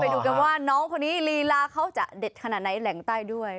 ดูกันว่าน้องคนนี้ลีลาเขาจะเด็ดขนาดไหนแหล่งใต้ด้วย